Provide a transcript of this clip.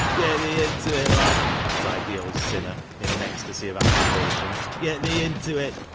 "Get thee unto it, lad," cried the old sinner in an ecstasy of approbation, " Get thee unto it